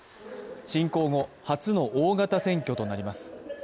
侵攻後、初の大型選挙となります。